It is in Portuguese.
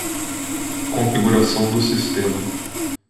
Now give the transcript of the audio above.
Configuração do sistema.